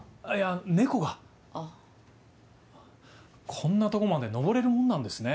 こんなとこまで登れるもんなんですね。